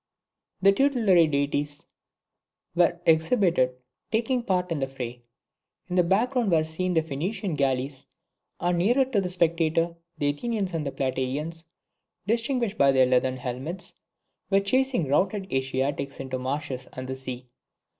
The tutelary deities were exhibited taking part in the fray. In the back ground were seen the Phoenician galleys; and nearer to the spectator, the Athenians and the Plataeans (distinguished by their leathern helmets) were chasing routed Asiatics into the marshes and the sea.